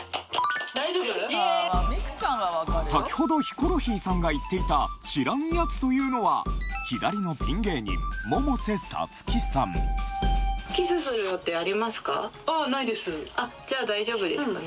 先ほどヒコロヒーさんが言っていた知らんやつというのは左のピン芸人じゃあ大丈夫ですかね。